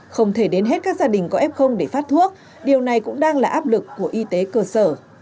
không thể đến hết các gia đình có f để phát thuốc điều này cũng đang là áp lực của y tế cơ sở